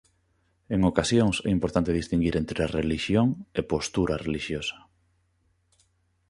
En ocasións é importante distinguir entre "relixión" e "postura relixiosa".